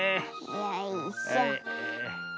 よいしょ。